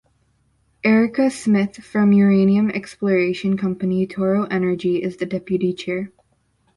Erica Smyth from uranium exploration company Toro Energy is the Deputy Chair.